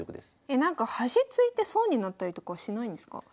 なんか端突いて損になったりとかはしないんですか？